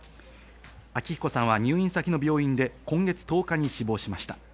昭彦さんは入院先の病院で今月１０日に死亡しました。